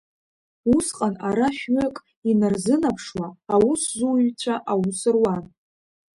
Усҟан ара шә-ҩык инарзынаԥшуа аусзуҩцәа аус руан.